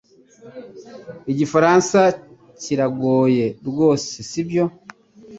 Igifaransa kiragoye rwose sibyo